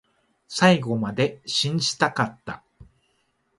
最後まで信じたかった